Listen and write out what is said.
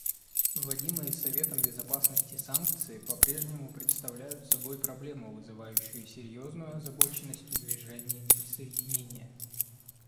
Вводимые Советом Безопасности санкции попрежнему представляют собой проблему, вызывающую серьезную озабоченность у Движения неприсоединения.